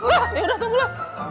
wah yaudah tunggu lo